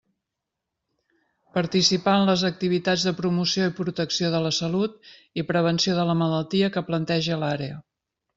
Participar en les activitats de promoció i protecció de la salut i prevenció de la malaltia que plantege l'àrea.